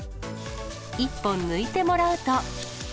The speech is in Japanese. １本抜いてもらうと。